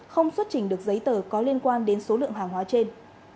không xuất trình được giấy tờ có liên quan đến số lượng hàng hóa trên